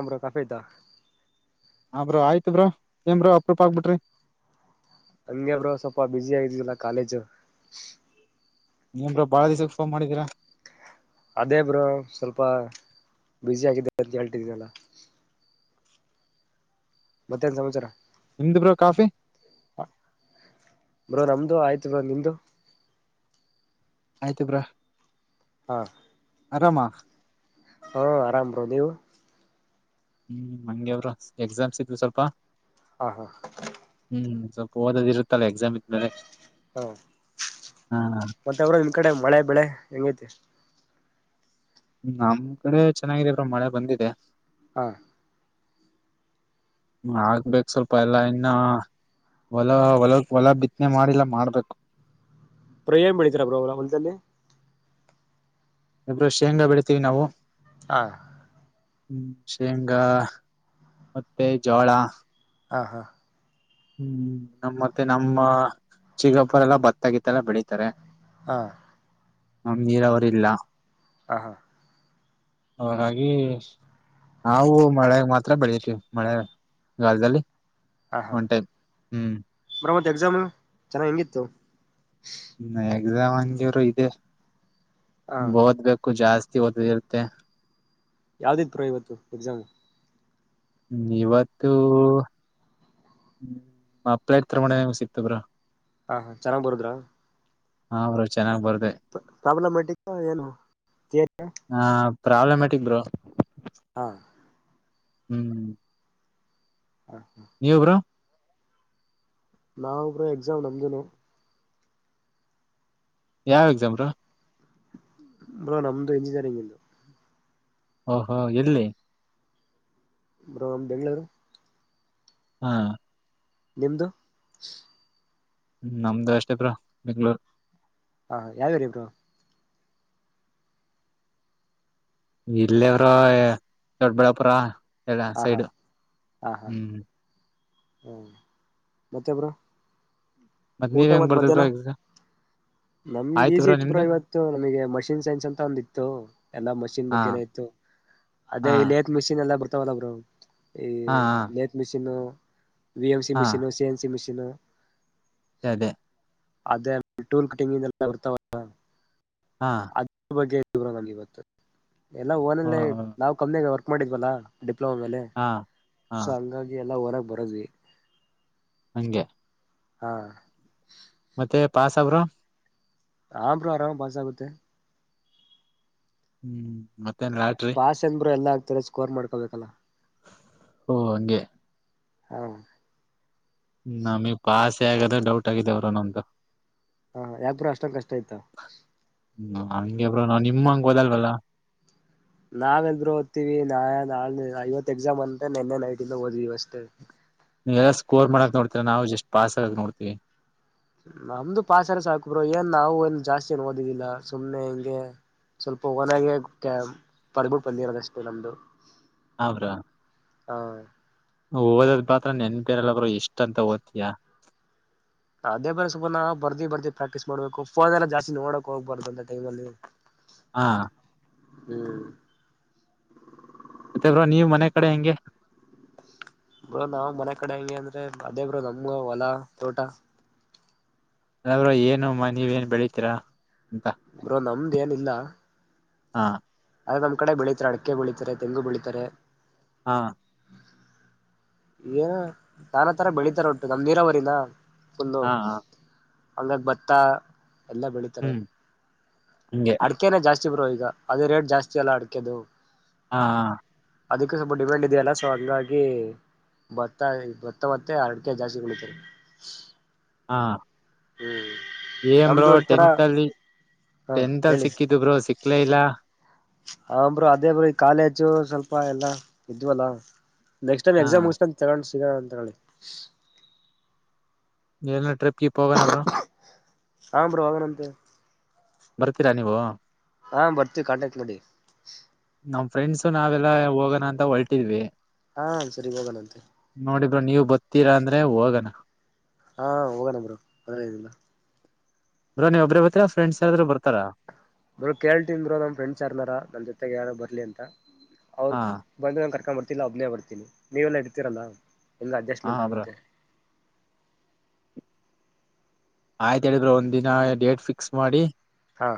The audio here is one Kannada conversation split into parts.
ಆಮ್ರೋ ಕಾಫೈ ದ ಹಬ್ರ ಆಯ್ತ ಏನ್ ಬ್ರೋ ಅಪ್ರೂಪ ಆಕ್ಬಿಟ್ರಿ ಹಂಗಗೆಬ್ರು ಸ್ವಲ್ಪ ಬಿಸಿ ಆಗಿದಲ್ಲ ಕಾಲೇಜು ನೀನ್ ಬಾಳ ದಿವಸಕ್ಕೆ ಫೋನ್ ಮಾಡಿದೀರ ಅದೇ ಬ್ರೋ ಸ್ವಲ್ಪ ಬ್ಯುಸ ಆಗಿದ್ದ ಅಂತ ಹೇಳ್ತಿದಿನಲ್ಲ. ಮತ್ತೆನ್ ಸಮಾಚಾರ. ನಿಮ್ದು ಬ್ರೋ ಕಾಫಿ. ಬ್ರೋ ನಮ್ದು ಆಯ್ತು ಬ್ರೋ ನಿಮ್ದು. ಆಯ್ತ ಬ್ರೋ ಹಾ. ಆರಾಮ. ಹಾ ಆರಾಮ್ ಬ್ರೋ ನೀವು. ಹ್ಮ್ ಅಂಗೆ ಬ್ರೋ ಎಕ್ಸಾಮ್ಸ್ ಇದ್ವಿ ಸ್ವಲ್ಪ. ಹಾ ಹಾ ಹ್ಮ್ ಸ್ವಲ್ಪ ಓದೋದು ಇರುತ್ತಲ್ಲ ಎಕ್ಸಾಮ್ ಇದ್ಮೇಲೆ. ಹಾ ಹಾ ಮತ್ತೆ ಅವರು ಈ ಕಡೆ ಮಳೆ ಬೆಳೆ ಹೆಂಗೈತೆ. ನಮ್ ಕಡೆ ಚೆನ್ನಾಗಿದೇ ಬ್ರೋ ಮಳೆ ಬಂದಿದೆ. ಹಾ ಆಗ್ಬೇಕು ಸ್ವಲ್ಪ ಎಲ್ಲಾ ಇನ್ನ ಹೊಲ ಹೊಲ ಹೊಲ ಬಿತ್ತನೆ ಮಾಡಿಲ್ಲ ಮಾಡ್ಬೇಕು. ಪ್ರ ಏನ್ ಬೆಳೀತೀರಾ ಹೊಲ ಮನೆಯಲ್ಲಿ. ಇಬ ಶೇಂಗಾ ಬೆಳಿತೀವಿ ನಾವು. ಹಾ ಹ್ಮ್ ಶೇಂಗಾ ಮತ್ತೆ ಜೋಳ. ಹಾ ಹಾ. ಹ್ಮ್ ನಮ್ಮ ಮತ್ತೆ ನಮ್ಮ ಚಿಕ್ಕಪ್ಪರೆ ಎಲ್ಲ ಭತ್ತಾಗಿತ್ತಲ್ಲ ಬೆಳಿತಾರೆ. ಹಾ ನ ನೀರಾವರೆ ಇಲ್ಲಾ. ಹ ಹಾ. ಹಾಗಾಗಿ ನಾವು ಮಳೆ ಮಾತ್ರ ಬೆಳಿತಿವಿ ಮಳೆಗಾಲದಲ್ಲಿ ಉಟೇ ಹ್ಮ್ ಎಕ್ಸಾಮ ಎಲ್ಲ ಚೆನ್ನಾಗ್ ಹೆಂಗಿತ್ತು. ಎಕ್ಸಾಮ್ ಹಂಗಿರು ಇದೆ. ಹಾ ಓದಬೇಕು ಕು ಜಾಸ್ತಿ ಓದೋದು ಇರುತ್ತೆ. ಯಾವ್ದಿತ್ತ ಬ್ರೋ ಇವತ್ತು ಎಕ್ಸಾಮ್. ಹ್ಮ ಇವತ್ತು ಮಪ್ಳೈಟ್ ತಮಣ ಸಿಗ್ತ ಬ್ರೋ. ಹಾ ಹ ಚೆನ್ನಾಗಿ ಬರಿದ್ರ ಹಾ ಬ್ರೋ ಚೆನ್ನಾಗ್ ಬರ ಪ್ರಾಬ್ಲಮ್ಯಾಟಿಕ್ ಏನು ಥಿಯರಿ. ಹಾ [unintelligible] ಹಾ ಹ್ಮ್ ಹಾ ನೀವ್ ಬ್ರೋ. ನಾವು ಬ್ರೋ ಎಕ್ಸಾಮ್ ನಮ್ದನು. ಯಾವ ಎಕ್ಸಾಮ ಬ್ರೋ ಬ ನಮ್ದು ಇಂಜಿನಿಯರಿಂಗ್ ಇದು ಹ ಹಾ ಎಲ್ಲಿ ಬ್ರೋ ಬೆಂಗಳೂರು. ಹಾ. ನಿಮ್ದು. ನಮ್ದು ಅಷ್ಟೇ ಬ್ರೋ ಬೆಂಗಳೂರು. ಹಾ ಯಾವ ಏರಿಯಾ ಬ್ರೋ. ಇಲ್ಲೇ ಬ್ರೋ ದೊಡಬಳ್ಳಾಪುರ. ಎಲ್ಲ ಹಾ ಹಾ ಸೈಡು ಹಾ ಹ್ಮ. ಹಾ ಮತ್ತೆ ಬ್ರೋ ಊಟ ನೀವ್ ಹೆಂಗ್ ಮತ್ ಮಧ್ಯಾಹ್ನ, ಬರ್ದಿದ್ರೋ ಎಕ್ಸಾಮ್ ನಮಗೆ ಆಯ್ತು ಈಜಿ ಇತ್ ಬ್ರೋ ನಿಮ್ದು ಇವತ್ತು. ನಮಗೆ ಮಷಿನ್ ಸೈನ್ಸ್ ಅಂತ ಒಂದ ಇತ್ತು ಎಲ್ಲಾ ಮಷೀನ್ ಹಾ ಬಗ್ಗೆ ನೇ ಇತ್ತು. ಅದೇ ಹಾ ಇ ಲೆಕ ಮಷಿನ್ ಎಲ್ಲ ಬರ್ತ ವಲ್ಲ ಬ್ರೋ. ಈ ಹಾ ಹಾ ಲೆಕ ಮಿಷಿನ್. ವಿ ಎಮ ಸಿ ಹಾ machine, C N C machine ಅದೇ. ಅದ ಟೂಲ್ ಕಟ್ಟಿಂಗೆಲ್ಲ ಬರ್ತ್ವಲ್ಲಾ. ಹಾ. ಅದ್ರ ಬಗ್ಗೆ ಇತ್ತು ಬ್ರೋ ನಮ್ಗೆ ಇವತ್ತು. ಎಲ್ಲ ಹ ಓನಲ್ಲ ನಾವ್ ಕಮ್ಮಿಾಗ ಅವ ಮಾಡಿದ್ವಲ್ಲ, ಡಿ ಪ್ಲೋಮಾ ಮೇಲೆ, ಹಾ ಹಾ ಸೋ ಅಂಗಾಗಿ, ಎಲ್ಲ ಓನಾಗಿ ಬರ್ದ್ವಿ. ಅಂಗೆ. ಹಾ, ಮತ್ತ ಪಾಸ್ ಹಾ ಬ್ರೋ, ಹಾ ಬ್ರೋ ಆರಾಮ್ ಆಗಿ ಪಾಸ್ ಆಗುತ್ತೆ. ಹ್ಮ್. ಮ ಪಾಸ್ ಎನ್ ಬ್ರೋ ಎಲ್ಲ ರು ಆಗ್ತಾರೆ ಸ್ಕೋರ್ ಮಾಡ್ಕೊಬೇಕಲ್ಲ. ಓ ಹಂಗೆ, ಹಾ, ನಮೇಗೆ ಪಾಸ್, ಸ ಆಗಾದೇ ಡೌಟ್ ಆಗಿದೆ ಬ್ರೋ ನಮ್ದು. ಹಾ ಯಾಕ ಬ್ರೋ ಅಸ್ಟೊಂದು ಕಷ್ಟ ಇತ್ತು. ಹ್ಮ ಹಂಗೆ ಬ್ರೋ ನಾ ನಿಮಂಗ ಓದಲ್ವಲ್ಲ. ನಾವ ಎಲ್ರು ಓದ್ತೀವಿ ನಾ ನಾ ಐವತ್ತು ಎಕ್ಸಾಮ್ ಅಂತ್ರೆ ನಿನ್ನೆ ನೈಟ್ ಇಂದ ಓದ್ವಿ, ಅಷ್ಟೇ, ನೀ ಎಲ್ಲ ಸ್ಕೋರ್ ಮಾಡಕ್ ನೋಡ್ತೀರಾ ನಾವು ಜಸ್ಟ್ ಪಾಸ್ ಆಗಕ್ ನೋಡ್ತಿವಿ. ನಮ್ದು ಪಾಸರ ಸಾಕಬ್ರರು ಏನ್ ನಾವು ಏನು ಜಾಸ್ತಿ ಏನ್ ಓದಿದ್ದಿಲ್ಲ ಸುಮ್ಮ್ನೆ ಹಿಂಗೆ ಸ್ವಲ್ಪ ಒನಾಗಿ ಬರ್ದ್ ಬಿಟ್ಟು ಬಂದಿರೋದಷ್ಟೇ ನಮ್ದು. ಹಾ ಬ್ರೋ. ಹ. ಓದದ್ ಪಾತ್ರ ನೆನಪೇ ಇರಲ್ಲ ಎಸ್ಟ್ ಅಂತ ಓದ್ತಯಾ. ಅದೇ ಬೇಸುಪಣ್ಣ ಬರ್ದಿ ಬರ್ದಿ ಪ್ರಾಕ್ಟೀಸ್ ಮಾಡ್ಬೇಕು ಫೋನ್ ಎಲ್ಲ ಜಾಸ್ತಿ ನೋಡಕ್ ಹೋಗ್ಬಾರ್ದು ಅಂತ ಟೈಮಲ್ಲಿ. ಹಾ ಹ್ಮ್ ಮತ್ತೆ ಬ್ರೋ ನೀವ್ ಮನೆ ಕಡೆ ಹೆಂಗೆ. ಬ್ರೋ ನಾವ್ ಮನೆ ಕಡೆ ಅಲ್ಲಿ ಅಂದ್ರೆ ಅದೇ ಬ್ರೋ ನಮ್ಗ ಹೊಲಾ ತೋಟ. ಅದರೊಳಗ ಏನು ನೀವ ಏನ್ ಬೆಳಿತೀರಾ. ಅಂತ ಬ್ರೋ ನಮ್ದ ಏನಿಲ್ಲ. ಹಾ ಅದೇ ನಮ್ ಕಡೆ ಬೆಳಿತತಾರೆ ಅಡಕೆ ಬೆಳೀತಾರೆ ತೆಂಗು ಬೆಳೀತಾರೆ. ಹಾ ಏನು ನಾನತರ ಬೆಳಿತಾರ ಒಟ್ಟು ನಮ್ ನೀರಾವರಿನ. ಒಂದು ಹಾ ಹಾ ಅಂಗ ಬತ್ತ ಎಲ್ಲ ಬೆಳೀತಾರೆ ಹ್ಮ್ ಹಂಗೆ ಅಡಕೆನ ಜಾಸ್ತಿ. ಹೆಚ್ಚು ಬ್ರೋ ಈಗ ಅದೇ ರೇಟ್ ಜಾಸ್ತಿ ಅಲ್ಲ ಅಡಕೆದು. ಹಾ ಹ ಅದಕ್ಕೆ ಸ್ವಲ್ಪ ಡಿಮ್ಯಾಂಡ್ ಇದೆಯಲ್ಲ ಸೊ ಹಂಗಾಗಿ ಭತ್ತ ಭತ್ತ ಮತ್ತೆ ಅರಡಿಕೆ ಜಾಸ್ತಿ ಬೆಳೀತಾರೆ. ಹಾ ಏನ್ ಬ್ರೋ ನಮ್ದು ಒಂಥರ ಟೆಂತ್ ಅಲ್ಲಿ ಹಾ ಟೆಂತ್ ಅಲ್ಲಿ ಸಿಕ್ಕಿದು ಬ್ರೋ ಸಿಕ್ಲೇ ಇಲ್ಲ. ಹಾನ್ ಬ್ರೋ ಅದೇ ಬ್ರೋ ಈ ಕಾಲೇಜು ಸ್ವಲ್ಪ ಎಲ್ಲಾ ಇದ್ವಲ್ಲ. ನೆಕ್ಟ್ ಟೈಮ್ ಹಾ ಎಕ್ಸ್ ಮುಗಿಸಿಕೊಂಡ [inaudible] [unintelligible] ಎಏನ ಟ್ರಿಪ್ ಗಿಪ್ ಹೋಗೋಣ ಬ್ರೋ. ಹಾ ಬ್ರೋ ಹೋಗೋಣಂತೆ. ಬರ್ತೀರಾ ನೀವು ಹಾ ಬರ್ತವಿ ಕಾಂಟಾಕ್ಟ್ ಮಾಡಿ. ನಮ್ ಫ್ರೆಂಡ್ಸು ನಾವೆಲ್ಲಾ ಹೋಗೋಣ ಅಂತ ಹೊರಟೀವಿ ಹಾ ಸರಿ ಹೋಗಣಂತೆ ನೀವು ಬರ್ತೀರಾ ಅಂದ್ರೆ ಹೋಗಣ ಹಾ ಹೋಗೋಣಂದರು ಮನೆಯಲ್ಲಿ ಎಲ್ಲಾ ಬ್ರೋ ನೀವ ಒಬ್ರೇ ಬರ್ತೀರಾ ಫ್ರೆಂಡ್ಸ್ ಯಾರಾದ್ರರು ಬರ್ತಾರಾ. ಬ್ರೋ ಕೇಳ್ತಿನೀ ಬ್ರೋ ನಮ್ಮ ಫ್ರೆಂಡ್ಸ್ ಯಾರ್ನಾರ ನನ್ ಜೊತೆಗೆ ಯಾರು ಬರ್ಲಿ ಅಂತ. ಅವ್ರು ಹಾ ಬಂದ ಕರಕೊಂಡ ಬರ್ತೀನಿ. ಒಬ್ನೇ ಬರ್ತೀನಿ ನೀವೆಲ್ಲಾ ಇರುತ್ತಿರಲ್ಲ ಎಲ್ಲಾ ಹಾ ಅಡ್ಜಸ್ಟ್ಮೆಂಟ್ ಬ್ರೋ ಆಗುತ್ತೆ. ಆಯ್ತ್ ಎಲ್ಲರೂ ಒಂದ್ ದಿನ ಡೇಟ್ ಫಿಕ್ಸ್ ಮಾಡಿ. ಹಾ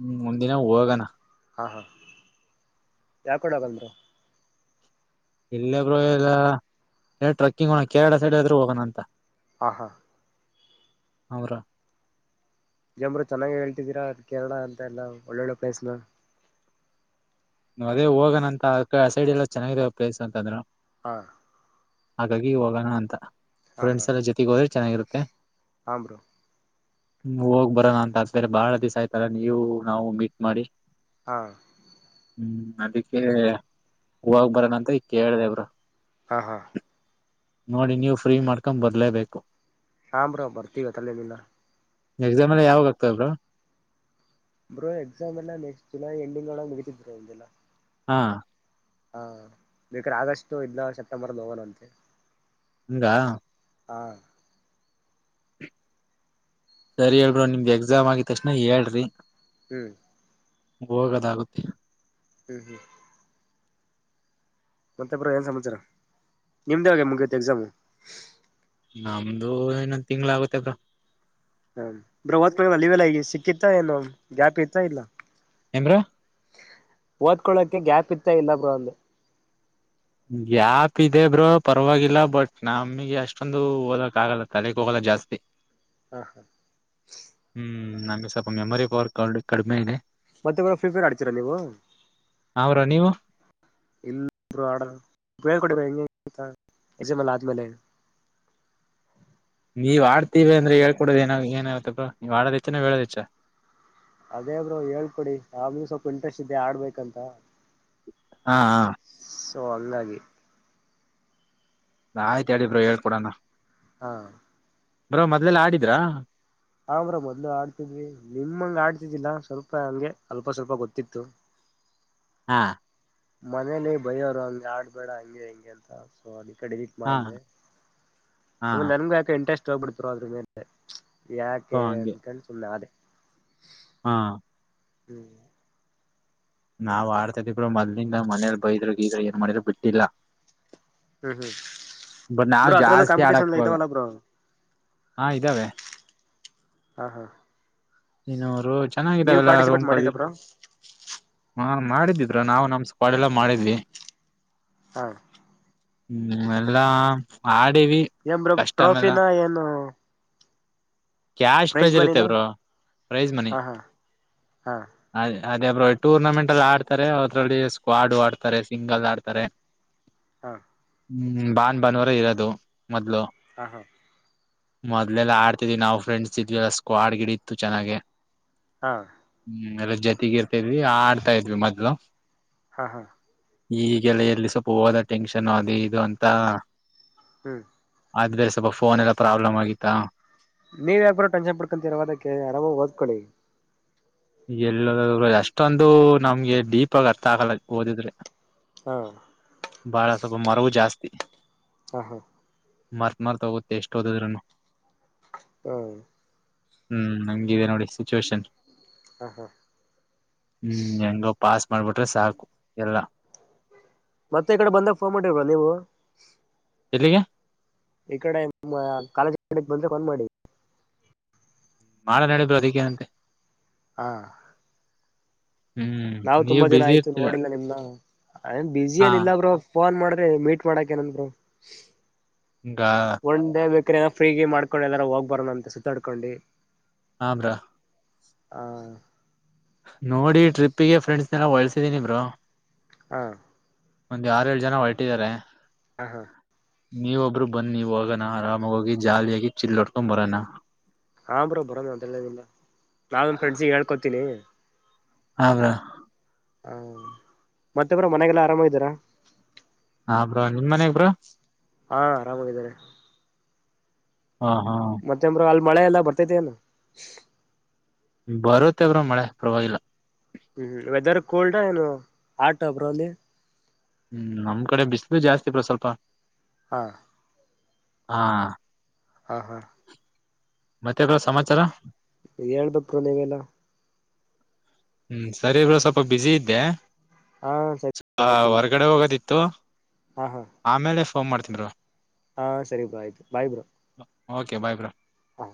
ಹ್ಮ್ ಒಂದಿನ ಹೋಗೋಣ. ಹಾ ಹಾ ಯಾಕ ಕಡೆ ಬಂದರು. ಇಲ್ಲ ಬ್ರೋ ಎಲ್ಲ ಟ್ರೆಕ್ಕಿಂಗ್ ಹೋಣ ಕೇರಳ ಸೈಡ್ ಆದ್ರರು ಹೋಗೋಣ ಅಂತ ಆ ಹಾ ಅವರ ಜಂಬರು ಚೆನ್ನಾಗ ಹೇಳ್ತಿದೀರಾ ಅ ಕೇರಳ ಅಂತ ಎಲ್ಲ ಒಳ್ಳೊಳ್ಳೆ ಪ್ಲೇಸ್ನ ನಾ್ ಅದೇ ಹೋಗೋಣ ಅಂತ ಆ ಸೈಡ್ ಎಲ್ಲ ಚೆನ್ನಾಗಿದಾವ ಪ್ಲೇಸ್ ಅಂತಂದ್ರರು ಹಾ ಹಾಗಾಗಿ ಹೋಗೋಣ ಅಂತ ಹಾ ಹಾ ಫ್ರೆಂಡ್ಸ್ ಎಲ್ಲ ಜೊತೆಗೆ ಹೋದ್ರೆ ಚೆನ್ನಾಗಿರುತ್ತೆ ಹಾಂ ಬ್ರೋ ಹ್ಮ ಹೋಗ್ ಬರೋಣ ಅಂತ ಅತೇರೆ ಬಾಳ ದಿವ್ ಆಯ್ತಲ್ಲ ನೀವು ನಾವು ಮೀಟ್ ಮಾಡಿ ಹಾ ಹ್ಮ್ ಅದಕ್ಕೆ ಹೋಗ್ ಬರದಂತ ಈ ಕೇಳ್ದಬ್ರು ಹಾ ಹಾ ನೋಡಿ ನೀವು ಫ್ರೀ ಮಾಡ್ಕೊ ಬರ್ಲೇಬೇಕು ಹ್ರ ಬರ್ತೀವಿ ತಲೆೇಲ್ಲಿಲ್ಲ ಎಕ್ಸಾಮ್ ಎಲ್ಲ ಯಾವಾಗ ಆಗ್ತಬ್ರ ಬ್ರೋ ಎಕ್ಸಾಮ್ ಎಲ್ಲ ನೆಕ್ಸ್ಟ್ ಜುಲೈ ಎಂಡಿಂಗ್ ಒಳಗೆ ಮುಗಿತಿದ್್ರೋ ಒ್ೆಲ್ಲ ಹಾ ಹಾ ಈೇಕಡೆ ಆಗಸ್ಟ್ು ಇಲ ಸೆಪ್ಟೆಂಬರ್ ನೋವೋಣ ಅಂತೆ ಹಂಗ ಹಾ ಸರಿ ಹೇಳಬ್ರರು ನಿಮ್ದಗೆ ಎಕ್ಸಾಮ್ ಆಗಿದ ತಕ್ಷಣ ಹೇಳ್ರಿ ಹ್ಮ್ ಹೋಗದಾಗುತ್ತೆ ಹ್ಮ ಹ್ಮ್ ಮತ್ತೊಬರ ಏನ್ ಸಂಾಚಾರ ನಿಮ್ದ ಒಳೆ ಮುಗತಿ ಎಕ್ಸಾಮು ನಮ್ದು ಇನ್ನೊಂದ್ ತಿಂಗ್ಳ ಆಗತ್ತದ ಹ ಬ್ರ ಹ ಅಲ್ಲಿವೆಲ್ಲ ಈ ಸಿಕ್ಕಿತ್ ಇತ ಏನು ಗ್ಯಾಪ್ ಇರ್ತಾ ಇಲ್ಲ ಏನ್ ಬ್ರೋ ಓದ್ಕೊಳ್ಳಕೆ ಗ್ಯಾಪ್ ಇತ್ತ ಇಲ್ಲ ಬ್ರ ಅಲ್ಲಿ ಯಾಪ್ ಇದೆ ಬ್ರೋ ಪರವಾಗಿಲ್ಲ ಬಟ್ ನಮಗೆ ಅಷ್ಟೊಂದು ಹೋಗದಕ್ ಆಗಲ್ಲ ತಲೆಗ್ ಹೋಗಲ್ಲ ಜಾಸ್ತಿ ಹಾ ಹಾ ಹ್ಮ್ ನಂಗೆ ಸ್ವಲ್ಪ ಮೆಮೊರಿ ಪವಾರ್ ಕಾರ್ಡ್ ಕಡಿಮೆ ಇದೆ ಮತ್ತೆ ಕಡ ಫುಲ್ ಪೇರ್ ಆಡ್ಚೀರ ನೀವು ಹಾ ಬ್ರೋ ನೀವು ಇಲ್ಲರು ಆಡ ಉಪಳ್ ಕೊಡಿರ ಹೆಂಗ ಹೆಂಗಂತ ಯಜಮಾಲ ಆದ್ಮೇಲೆ ನೀವ್ ಆಡ್ತಿೀವಿ ಅಂದ್ರೆ ಹೇಳ್ಕೊಡೋ ಏ ಏನ್ವತ್ತಪ್ಪ ನೀವು ಆಡೋದ ಇಚ್ಚಾನ ಹೇಳದ ಇಚ್ಚ ಅದೇಬ್ರು ಹೇಳ್ಕೊಡಿ ಆಮೂ ಸ್ವಲ್ಪ ಇಂಟ್ರೆಸ್ಟ್ ಇದ್ದೆ ಆಡ್ಬೇಕಂತ ಹಾ ಹಾ ಸೊ ಹಂಗಾಗಿ ನಾ ಆಯ್ತ ಹೇಳಿಬ್ರ ಹೇಳ್ಕೊಡೋಣ ಹಾ ಬರೋ ಮೊದ್ಲೆಲ್ಲ ಆಡಿದ್ರಾ ಹ್ರ ಮೊದ್ಲು ಆಡ್ತಿದ್ಿ ನಿಮಂಗ ಆಡ್ತಿದಿಲ್ಲ ಸ್ವಲ್ಪ ಹಂಗೆ ಅಲ್ಪ ಸ್ವಲ್ಪ ಗೊತ್ತಿತ್ತು ಹಾ ಮನೇಲಿ ಬಯವರು ಹಂಗೆ ಆಡ್ಬೇಡ ಹಂಗೆ ಹೆಂಗೆ ಅಂತ ಸೊ ಅ ಟ್ ಹಾ ಮಾಡ್ದ ಹಾ ಆಮೇಲೆ ನನ್ಗು ಯಾಕೆ ಇಂಟ್ರೆಸ್ಟ್ ಸೋಗಪರುಾದ್ರ ಮೇಲೆ. ಸೊ ಯಾಕೆ ಹಂಗೆ ಅಂದ ಕೊಂಡು ಸುಳ್ಳಾಡ್ತಿ. ಹಾ. ಹ್ಮ್. ನಾವ್ ಆಡ್ತಾ ಇದೀವರು ಮೊ್ಲಿಂದ ಮನೇಲಿ ಬೈದ್ರ ಈದ್ರ ಏನ್ ಮಾಡಿದ್ರು ಬಿಟ್ಟಿಲ್ಲ. ಹ್ಮ್ ಹ್ಮ್ ಬಟ್ ನಾವ್ ಬ್ರೋ ಅದ್ರಲ್ಲೂ ಜಾಸ್ತಿ ಆಡಕ್ ಕಾಂಪಿಟೇಷನ್ ಹಲ್ಲ ಇದಾವಲ್ಲ ಬ್ರೋ ಹಾ ಇದ್ದಾವೆ. ಹಾ ಹಾ. ಇನೂರು. ನೀವು ಚೆನ್ನಾಗಿದ್ದಾವೆಲ್ಲ ರೋಮ್ ಪಾರ್ಟಿಸಿಪೇಟ್ ಕರ್ಗೆ. ಮಾಡಿದ್ರ ಬ್ರೋ ಹಾ ಬ್ರೋ ನಾವು ನಮ್ ಸ್ ಕಾಡೆಲ್ಲ ಮಾಡಿದ್ವಿ ಹಾ. ಹ್ಮ ಎಲ್ಲಾ. ಆಡಿವಿ ಏನ್ ಬ್ರೋ ಕಷ್ಟ ಆಮೇಲೆ ಟ್ರೋಫಿನ ಏನ್. ಕ್ಯಾಶ್ ಪ್ರೈಜ್ ಇರುತ್ತೆ ಇವರು. ಹಾ ಹಾ ಹಾ. ಅದೇಬ್ ಟೂರ್ನಮೆಂಟ್ ಅಲ್ಲಿ ಆಡ್ತಾರೆ ಅದ್ರಲ್ಲಿ ಸ್ಕ್ವಾಡು ಆಡ್ತಾರೆ ಸಿಂಗಲ್ ಆಡ್ತಾರೆ. ಹಾ. ಹ್ಮ್ ಬಾನ್ ಬಾನವರ ಇರೋದು ಮೊದ್ಲು. ಹ ಹಾ. ಮೊದಲೆಲ್ಲ ಆಡ್ತಿದೀವಿ ನಾವು ಫ್ರೆಂಡ್ಸ್ ಇದ್ವಿಲ್ಲ ಸ್ಕ್ವಾಡ್ ಗಿಡಿ ಇತ್ತು. ಚೆನ್ನಾಗೆ. ಹಾ. ಹ್ಮ್ ಎಲ್ಲ ಜೊತೆಗ ಇರ್ತಾಿದ್ವಿ ಆಡ್ತಾ ಇದ್ವಿ ಮೊದ್ಲು. ಹಾ ಹಾ. ಈಗೆಲ್ಲ ಎಲ್ಲಿ ಸ್ವಲ್ಪ ಹೋದ ಟೆನ್ಷನ್ ಅದು ಇದು ಅಂತ ಹ್ಮ್. ಆದ್ಮೇಲೆ ಸ್ವಲ್ಪ ಫೋನ್ ಎಲ್ಲ ಪ್ರಾಬ್ಲಮ್ ಆಗಿತ್ತಾ. ನೀವು ಯಾಕ ಬ್ರೋ ಟೆನ್ಷನ್ ಪಡ್ಕೊಂತಿರ ಓ ದಕ್ಕೆ ಆರಾಮಾಗ್ ಓದ್ಕೊಳ್ಳಿ ಎಲ್ಲೋದದು ಅಷ್ಟೊಂದು ನಮ್ಗೆ ಡೀಪ್ ಆಗ ಅರ್ಥ ಆಗಲ್ಲ ಓದಿದ್ರೆ. ಹಾ ಬಾಳ ಸ್ವಲ್ಪ ಮರವು ಜಾಸ್ತಿ. ಹ ಹಾ. ಮರ್ತ್ ಮಾರ್ತ್ ಹೋಗುತ್ತೆ ಎಷ್ಟು ಓದದ್ರನು. ಹ್ಮ. ಹ್ಮ್ ಹಂಗಿದೆ ನೋಡಿ. ಸಿಚುೇಏಷನ್. ಹಾ ಹಾ ಹ್ಮ್ ಎಂಗೊ. ಪಾಸ್ ಮಾಡಿಬಿಟ್ರೆ ಸಾಕು ಎಲ್ಲ. ಮತ್ತೆ ಈ ಕಡೆ ಬಂದಾಗ ಫೋನ್ ಮಾಡಿರ್ರ ನೀವು. ಎಲ್ಲಿಗೆ. ಈ ಕಡೆ ಕಾಲೇಜ್ ಕಡೆ ಬಂದ್ರೆ ಫೋನ್ ಮಾಡಿ. ಮಾಡ ನಡ ಬ್ರೋ ಅದಕ್ಕೇನಂತೆ. ಹ ಹ್ಮ್ ನಾವ್ ನೀವ್ ತುಂಬಾ ದಿನ ಬಿಸಿ ಆಯ್ತು ಇರ್ತೀರ ನೋಡಿಲ್ಲ ನಿಮ್ನ ಅದೆನ್ ಬಿಝೀ ಹಾ ಏನಿಲ್ಲ ಬ್ರೋ ಫೋನ್ ಮಾಡ್ದೆ ಮೀಟ್ ಮಾಡಾಕ ಏನಂತೆ ಬ್ರೋ ಹಂಗ ಒಂಡೇ ಬೇಕು [unintelligible] ಫ್ರೀಗೆ ಮಾಡ್ಕೊಂಡು ಎಲ್ಲಾರ ಹೋಗ್ ಬರೋಣ ಅಂತ ಸುತ್ತಾಡ್ಕೊಂಡಿ ಹ ಬ್ರೋ ಹ ನೋಡಿ ಟ್ರಿಪ್ಪಿಗೆ ಫ್ರೆಂಡ್ಸ್ನೆಲ್ಲ ಹೊಳ್ಸಿದೀನಿಬ್ರೋ ಹಾ ಒಂದ್ ಆರೆಳ್ ಜನ ಹೊರಟಿದ್ದಾರೆ ಹಾ ಹಾ ನೀವ್ ಒಬ್ರು ಬನ್ನಿ ಹೊಗಣ ಆರಾಮಾಗಿ ಹೋಗಿ ಜಾಲಿಯಾಗಿ ಚಿಿಲ್ಲಾಡ್ಕೊಂಡ್ ಬರಾನ ಹಾ ಬ್ರೋ ಬರೋ ನಂತ ಹೇಳದಿಲ್ಲ ನಾವೆನ್ ಫ್ರೆಂಡ್ಸಿಗೆ ಹೇಕೊೋತೀಿನಿ ಹಾ ಬ್ರೋ ಹಾ ಮತ್ತೆಬ್ರೋ ಮನೆಗೆಲ್ಲ ಆರಾಮ ಇದ್ದೀಾರ ಹ ಬ್ರೋ ನಿಮ್ ಮನೆಯಾಗ್ ಬ್ರೋ ಹಾ ಆರಾಮಾಗಿದ್ದಾರೆ ಹಾ ಹಾ ಮತ್ತೆ ಬ್ರೋ ಅಲ್ಲಿ ಮಳೆ ಎಲ್ಲ ಬರ್ತೇತನೇನು ಬರುತ್ತೆ ಬ್ರೋ ಮಳೆ ಪರವಾಗಿಲ್ಲ ಹ್ಮ್ ವೆದರ್ ಕೋಲ್ಡ ಏನು ಹಾಟ್ ಅ ಬ್ರೋ ಅಲ್ಲಿ ಹ್ಮ್ ನಮ್ ಕಡೆ ಬಿಸ್ಲು ಜಾಸ್ತಿ ಬ್ರೋ ಸ್ವಲ್ಪ ಹಾ ಹಾ ಹಾ ಹಾ ಮತ್ತೆ ಬ್ರೋ ಸಮಾಚಾರ ಹೇಳ್ಬೇಕ್ ಬ್ರೋ ನೀವೆಲ್ಲ ಹ್ಮ್ ಸರಿ ಬ್ರೋ ಸ್ವಲ್ಪ ಬುಿಸಿ ಇದ್ದೆ ಹಾ ಸರಿ ಆ ಆಯ್ತು ಹೊರ್ಗಡೆ ಹೋಗದಿತ್ತು ತ ಹಾ ಹಾ [unintelligible] ಆಮೇಲೆ ಫೋನ್ ಮಾಡ್ತಿನ್ ಬ್ರೋ ಹಾ ಸರಿ ಬ್ರೋ ಆಯ್ತು bye bro okay bye bro ಹಾ